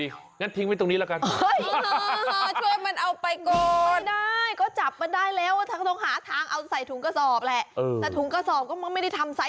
เอาที่ตรงที่ตักมันไปเลยดีกว่าครับเอาที่ตรงที่ตักมันไปเลยดีกว่าครับ